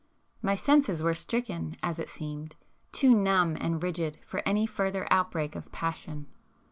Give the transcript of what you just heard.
My senses were stricken, as it seemed, too numb and rigid for any further outbreak of passion.